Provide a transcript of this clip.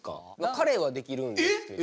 彼はできるんですけど。